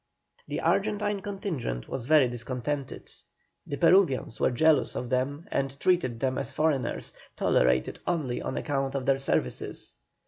The Argentine contingent was very discontented; the Peruvians were jealous of them and treated them as foreigners, tolerated only on account of their services.